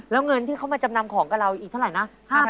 แล้วเงินที่เขามาจำนำของกับเราอีกเท่าไหร่นะ